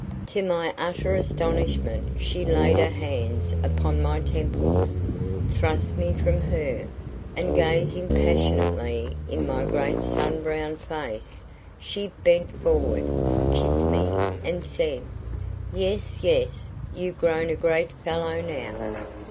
To my utter astonishment she laid her hands upon my temples, thrust me from her, and gazing passionately in my great sun browned face she bent forward, kissed me, and said: "Yes, yes. You've grown a great fellow now.